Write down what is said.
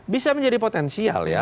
bisa menjadi potensial ya